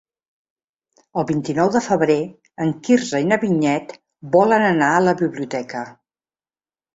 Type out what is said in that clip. El vint-i-nou de febrer en Quirze i na Vinyet volen anar a la biblioteca.